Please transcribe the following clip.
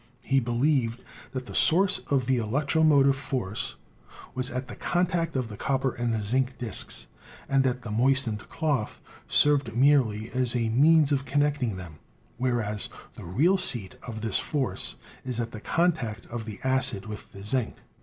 He believed that the source of the electromotive force was 180 ELECTRICITY at the contact of the copper and the zinc disks, and that the moistened cloth served merely as a means of connect ing them, whereas the real seat of this force is at the contact of the acid with the zinc.